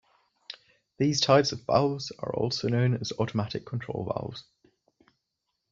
These types of valves are also known as Automatic Control Valves.